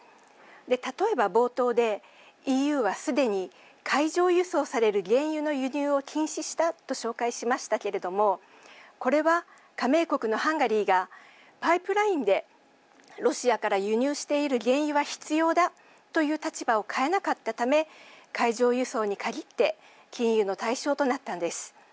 例えば冒頭でＥＵはすでに海上輸送される原油の輸入を禁止したと紹介しましたけれども、これは加盟国のハンガリーがパイプラインでロシアから輸入している原油は必要だという立場を変えなかったため海上輸送に限って禁輸の対象となったんです。